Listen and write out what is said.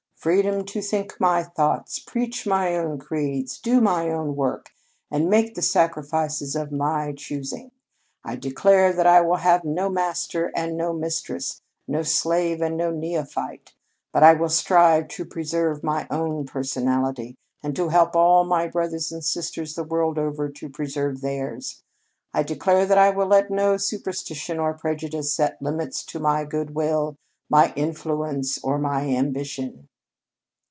"Freedom to think my own thoughts, preach my own creeds, do my own work, and make the sacrifices of my own choosing. I declare that I will have no master and no mistress, no slave and no neophyte, but that I will strive to preserve my own personality and to help all of my brothers and sisters, the world over, to preserve theirs. I declare that I will let no superstition or prejudice set limits to my good will, my influence, or my ambition!"